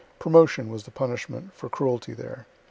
Promotion was the punishment for cruelty there.